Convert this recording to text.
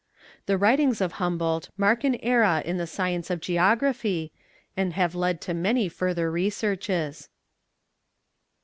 The writings of Humboldt mark an era in the science of geography, and have led to many further researches.